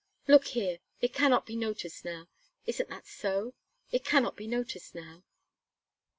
Look here! It cannot be noticed now. Isn't that so? It cannot be noticed now."